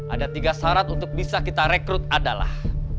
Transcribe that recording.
ada tiga syarat untuk bisa kita rekrut adalah